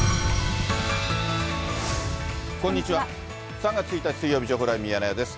３月１日水曜日、情報ライブミヤネ屋です。